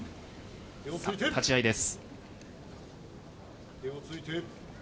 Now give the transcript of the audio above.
立ち合いです。